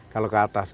kalau ke atas